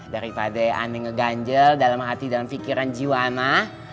daripada aneh ngeganjel dalam hati dan pikiran jiwa anak